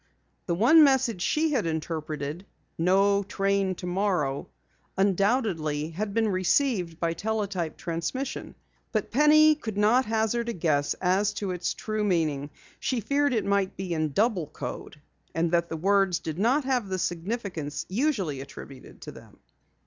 The one message she had interpreted "No Train Tomorrow" undoubtedly had been received by teletype transmission. But Penny could not hazard a guess as to its true meaning. She feared it might be in double code, and that the words did not have the significance usually attributed to them.